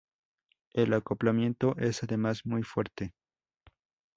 El acoplamiento es además muy fuerte.